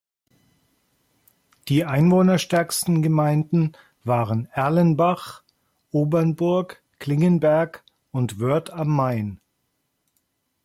Die einwohnerstärksten Gemeinden waren Erlenbach, Obernburg, Klingenberg und Wörth am Main.